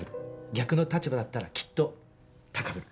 逆の立場だったらきっと高ぶる。